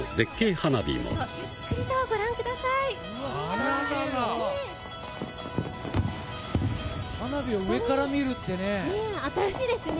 花火を上から見るってね。